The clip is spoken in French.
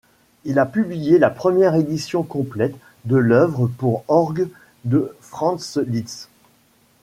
Il a publié la première édition complète de l'œuvre pour orgue de Franz Liszt.